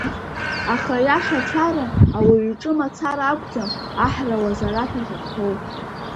Аха аиашацәара ауаҩы иҿы мацара акәӡам аҳра ауазарц ахьахәҭоу.